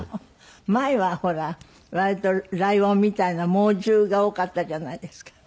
前はほら割とライオンみたいな猛獣が多かったじゃないですか。